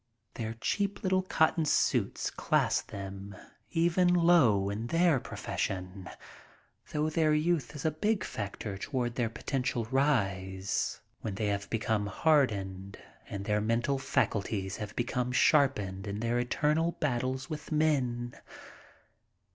Their cheap little cotton suits class them even low in their profession, though their youth is a big factor toward their potential rise when they have 74 MY TRIP ABROAD become hardened and their mental faculties have become sharpened in their eternal battles with men.